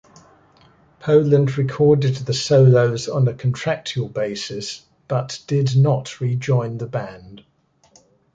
Poland recorded the solos on a contractual basis, but did not re-join the band.